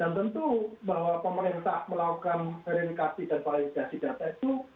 dan tentu bahwa pemerintah melakukan verifikasi dan paraleligasi data itu